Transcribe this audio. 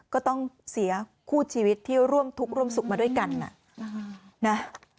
ก็ต้องเสียคู่ชีวิตที่ร่วมทุกข์ร่วมสุขมาด้วยกันนะ